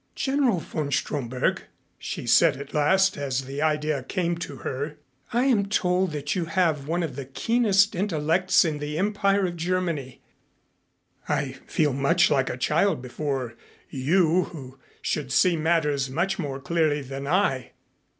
"General von Stromberg," she said at last, as the idea came to her, "I am told that you have one of the keenest intellects in the Empire of Germany. I feel much like a child before you, who should see matters much more clearly than I.